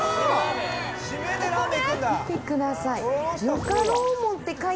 見てください！